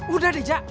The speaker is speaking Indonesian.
udah deh jack